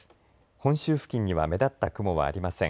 本州付近には目立った雲はありません。